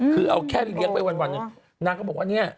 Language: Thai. คือเอาแค่เรียกไว้วันนางก็บอกว่าเนี่ย